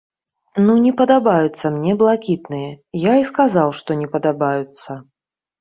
Ну, не падабаюцца мне блакітныя, я і сказаў, што не падабаюцца.